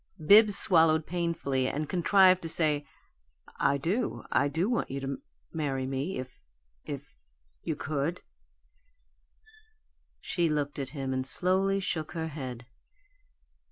Bibbs swallowed painfully and contrived to say, "I do I do want you to marry me, if if you could." She looked at him, and slowly shook her head.